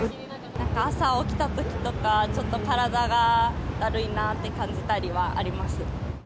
なんか朝起きたときとか、ちょっと体がだるいなって感じたりはあります。